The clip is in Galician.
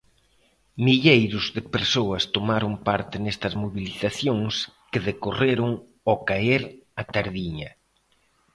Milleiros de persoas tomaron parte nestas mobilizacións, que decorreron ao caer a tardiña.